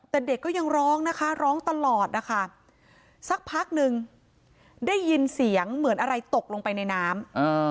แต่เด็กก็ยังร้องนะคะร้องตลอดนะคะสักพักนึงได้ยินเสียงเหมือนอะไรตกลงไปในน้ำ